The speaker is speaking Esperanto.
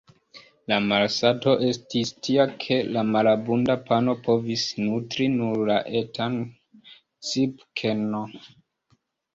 La malsato estis tia ke la malabunda pano povis nutri nur la etan Cipke-n.